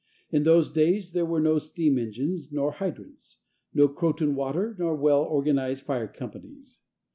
In those days there were no steam engines nor hydrants, no Croton water nor well organized fire companies.